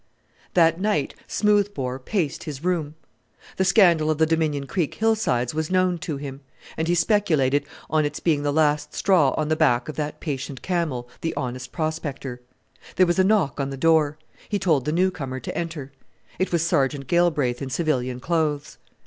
That night Smoothbore paced his room. The scandal of the Dominion Creek hillsides was known to him, and he speculated on its being the last straw on the back of that patient camel, the honest prospector. There was a knock on the door. He told the new comer to enter. It was Sergeant Galbraith in civilian clothes.